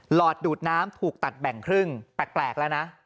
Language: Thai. อดดูดน้ำถูกตัดแบ่งครึ่งแปลกแล้วนะ